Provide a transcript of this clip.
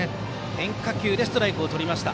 変化球でストライクをとりました。